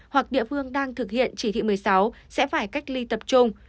hoặc địa phương đang thực hiện chỉ thị một mươi sáu sẽ phải cách ly tập trung